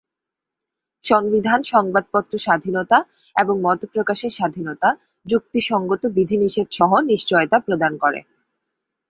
সংবিধান সংবাদপত্র স্বাধীনতা এবং মত প্রকাশের স্বাধীনতা "যুক্তিসঙ্গত বিধিনিষেধ"সহ নিশ্চয়তা প্রদান করে।